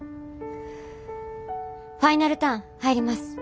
ファイナルターン入ります。